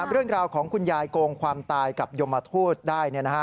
เรื่องราวของคุณยายโกงความตายกับยมทูตได้